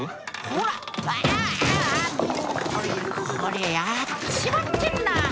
ああこりゃやっちまってんな。